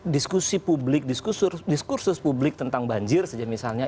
diskusi publik diskursus publik tentang banjir saja misalnya